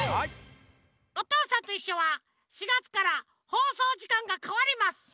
「おとうさんといっしょ」は４がつからほうそうじかんがかわります。